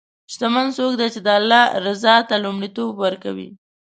شتمن څوک دی چې د الله رضا ته لومړیتوب ورکوي.